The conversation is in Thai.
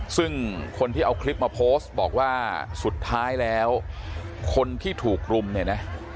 ซึ่งคนที่เอาคลิปมาโพสต์บอกว่าสุดท้ายแล้วคนที่ถูกรุมเนี่ยนะ